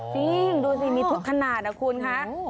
จริงดูสิมีทุกขนาดนะคุณคะ